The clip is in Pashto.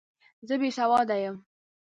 زه بې سواده یم!